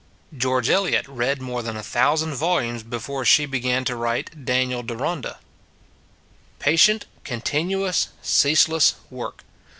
George Eliot read more than a thousand volumes before she began to write " Dan iel Deronda." Patient, continuous, ceaseless work.